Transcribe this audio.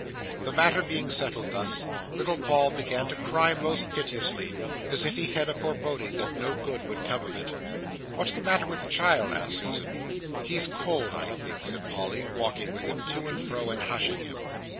The matter being settled thus, little Paul began to cry most piteously, as if he had a foreboding that no good would come of it. "What's the matter with the child?" asked Susan. "He's cold, I think," said Polly, walking with him to and fro, and hushing him.